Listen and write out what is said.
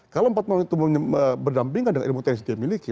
kalau empat tahun itu berdampingkan dengan ilmu teknis yang dia miliki